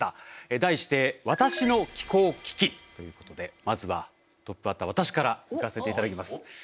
題してまずはトップバッター私からいかせていただきます。